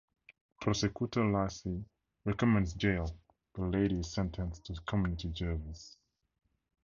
Prosecutor Lassie recommends jail but Lady is sentenced to community service.